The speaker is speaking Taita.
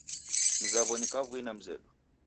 Mzaw'o ni kavui na mzedu